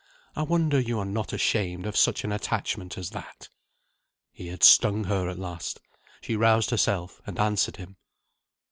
I wonder you are not ashamed of such an attachment as that." He had stung her at last. She roused herself, and answered him.